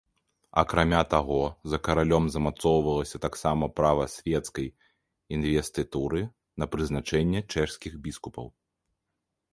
Акрамя таго, за каралём замацоўвалася таксама права свецкай інвестытуры на прызначэнне чэшскіх біскупаў.